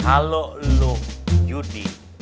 kalau lu judi